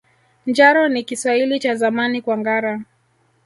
Njaro ni Kiswahili cha Zamani kwa ngara